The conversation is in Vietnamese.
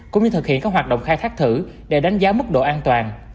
cũng như thực hiện các hoạt động khai thác thử để đánh giá mức độ an toàn